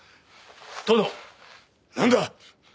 殿何だ！